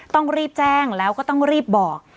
ต้องรีบแจ้งแล้วก็ต้องรีบบอก